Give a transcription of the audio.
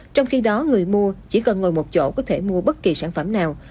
trong khi đó người mua chỉ cần ngồi một chỗ có thể mua bất kỳ sản phẩm nào